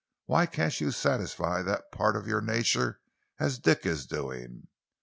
Why can't you satisfy that part of your nature as Dick is doing?